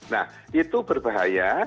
nah itu berbahaya